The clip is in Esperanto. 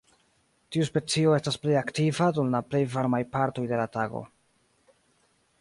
Tiu specio estas plej aktiva dum la plej varmaj partoj de la tago.